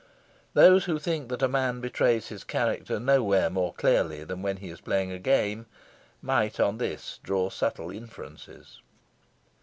Those who think that a man betrays his character nowhere more clearly than when he is playing a game might on this draw subtle inferences.